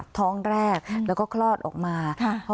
ท้องแรกแล้วก็คลอดออกมา